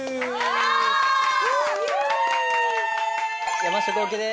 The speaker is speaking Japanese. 山下幸輝です